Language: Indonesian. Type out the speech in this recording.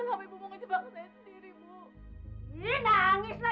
mas lumpan tenang aja